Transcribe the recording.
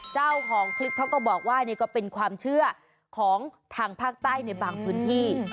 เจ้าของคลิปเขาก็บอกว่านี่ก็เป็นความเชื่อของทางภาคใต้ในบางพื้นที่